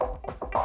nih lu ngerti gak